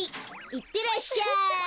いってらっしゃい！